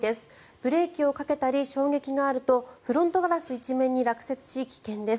ブレーキをかけたり衝撃があるとフロントガラス一面に落雪し危険です。